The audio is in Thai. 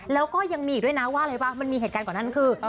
แล้วก็ยังมีอีกด้วยนะว่าอะไรป่ะมันมีเหตุการณ์กว่านั้นคือ